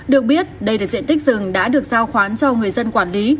được biết đây là diện tích rừng đã được giao khoán cho người dân quản lý